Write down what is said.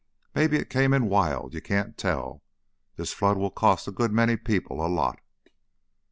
Maybe it came in wild, you can't tell. This flood will cost a good many people a lot."